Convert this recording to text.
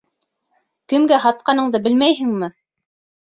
Кемгә һатҡаныңды белмәйһеңме?